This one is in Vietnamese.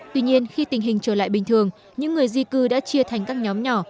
tuy nhiên khi tình hình trở lại bình thường những người di cư đã chia thành các nhóm nhỏ